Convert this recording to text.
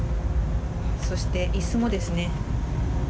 そして、椅子もですね